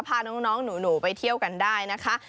พาน้องหนูไปเที่ยวกันได้นะคะ